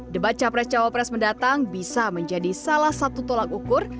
debat capres cawapres mendatang bisa menjadi salah satu tolak ukur